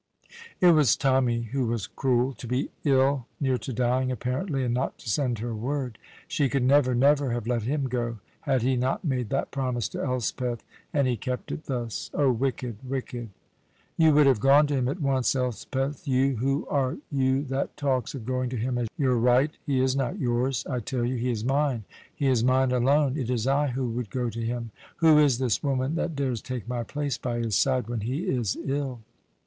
It was Tommy who was cruel. To be ill, near to dying, apparently, and not to send her word! She could never, never have let him go had he not made that promise to Elspeth; and he kept it thus. Oh, wicked, wicked! "You would have gone to him at once, Elspeth! You! Who are you, that talks of going to him as your right? He is not yours, I tell you; he is mine! He is mine alone; it is I who would go to him. Who is this woman that dares take my place by his side when he is ill!"